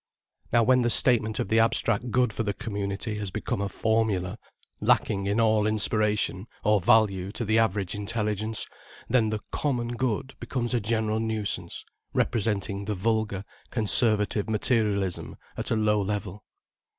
Now when the statement of the abstract good for the community has become a formula lacking in all inspiration or value to the average intelligence, then the "common good" becomes a general nuisance, representing the vulgar, conservative materialism at a low level.